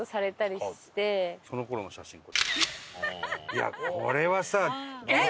いやこれはさ。